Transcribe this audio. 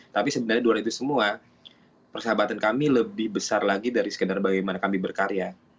tapi sebenarnya dua itu semua persahabatan kami lebih besar lagi dari sekedar bagaimana kami berkarya